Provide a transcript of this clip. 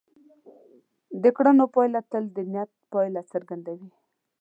د کړنو پایله تل د نیت پایله څرګندوي.